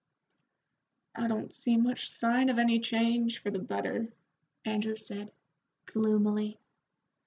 "I don't see much sign of any change for the better," Andrew said, gloomily.